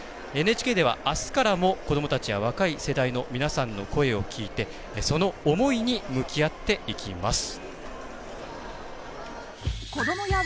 ＮＨＫではあすからも子どもたちや若い世代の皆さんの声を聞いてその思いに向き合っていきます。